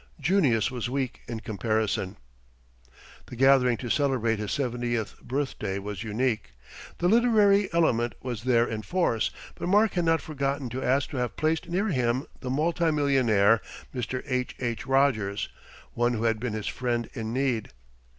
Junius was weak in comparison. The gathering to celebrate his seventieth birthday was unique. The literary element was there in force, but Mark had not forgotten to ask to have placed near him the multi millionaire, Mr. H.H. Rogers, one who had been his friend in need.